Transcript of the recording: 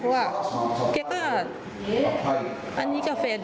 เพราะว่าเค้าก็